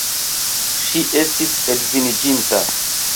Ŝi estis edziniĝinta!